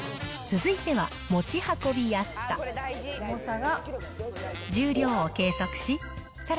続いては持ち運びやすさ。